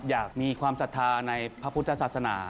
อยากมีความศรัทธาในพระพุทธศาสนา